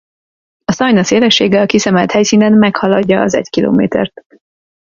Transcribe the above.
A Szajna szélessége a kiszemelt helyszínen meghaladja az egy kilométert.